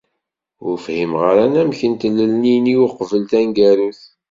Ur fhimeɣ ara anamek n tnelli-nni uqbel taneggarut.